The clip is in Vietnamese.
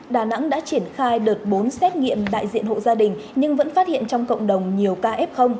đà nẵng đã triển khai đợt bốn xét nghiệm đại diện hộ gia đình nhưng vẫn phát hiện trong cộng đồng nhiều ca f